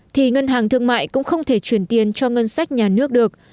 thì ngân hàng thương mại cũng không thể chuyển tiền cho ngân sách nhà nước được